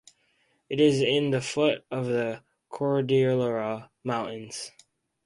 It is in the foot of the Cordillera Mountains.